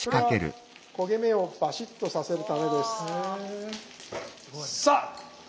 これは焦げ目をバシッとさせるためです。さあ！